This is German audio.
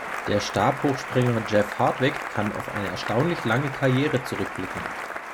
Der Stabhochspringer Jeff Hartwig kann auf eine erstaunlich lange Karriere zurückblicken.